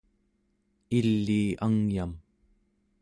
ilii angyam